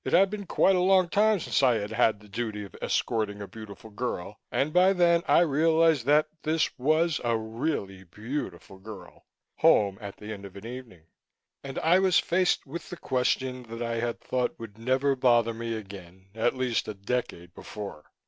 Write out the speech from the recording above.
It had been quite a long time since I had had the duty of escorting a beautiful girl and by then I realized this was a really beautiful girl home at the end of an evening. And I was faced with the question that I had thought would never bother me again at least a decade before.